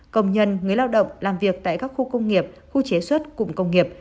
công nhân người lao động làm việc tại các khu công nghiệp khu chế xuất cụm công nghiệp